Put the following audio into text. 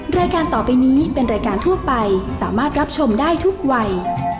รายการต่อไปนี้เป็นรายการทั่วไปสามารถรับชมได้ทุกวัย